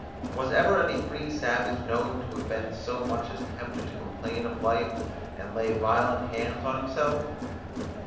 Was ever any free savage known to have been so much as tempted to complain of life, and lay violent hands on himself?